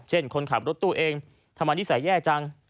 คนขับรถตู้เองทำไมนิสัยแย่จัง